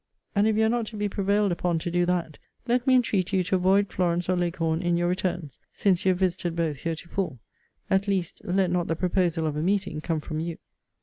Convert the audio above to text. And if you are not to be prevailed upon to do that, let me entreat you to avoid Florence or Leghorn in your return, since you have visited both heretofore. At least, let not the proposal of a meeting come from you.